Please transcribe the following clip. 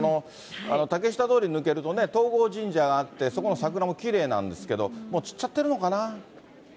竹下通り抜けるとね、東郷神社があって、そこの桜もきれいなんですけど、もう散っちゃってるのかな。